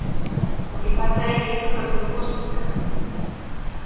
O que pasa é que iso tampouco o escoitaron.